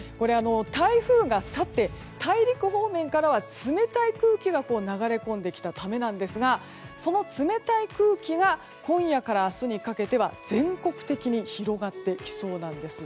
台風が去って、大陸方面からは冷たい空気が流れ込んできたためなんですがその冷たい空気が今夜から明日にかけては全国的に広がってきそうなんです。